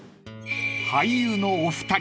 ［俳優のお二人］